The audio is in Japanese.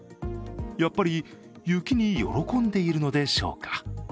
やっぱり雪に喜んでいるのでしょうか。